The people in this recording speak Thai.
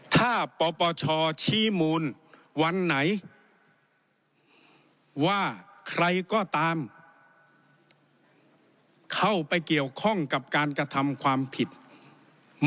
ถ้าปปชชี้มูลวันไหนว่าใครก็ตามเข้าไปเกี่ยวข้องกับการกระทำความผิด